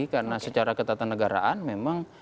karena secara ketatanegaraan memang